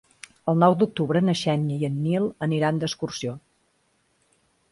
El nou d'octubre na Xènia i en Nil aniran d'excursió.